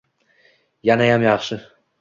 Yanayam yaxshi.